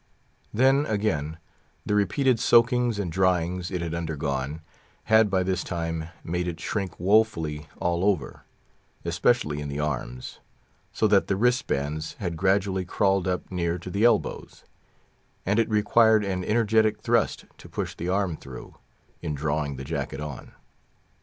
Then, again, the repeated soakings and dryings it had undergone, had by this time made it shrink woefully all over, especially in the arms, so that the wristbands had gradually crawled up near to the elbows; and it required an energetic thrust to push the arm through, in drawing the jacket on.